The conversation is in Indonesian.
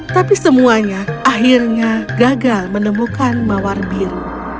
tapi semuanya akhirnya gagal menemukan mawar biru